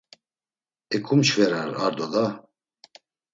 Eǩumçverar ar do da!